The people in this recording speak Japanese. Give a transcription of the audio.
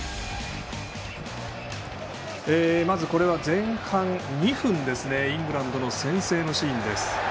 まず前半２分、イングランドの先制のシーンです。